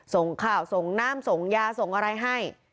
ส่งข่าวส่งน้ำส่งยาส่งอะไรให้